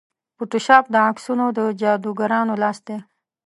فوټوشاپ د عکسونو د جادوګرانو لاس دی.